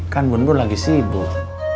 kan bun bun lagi sibuk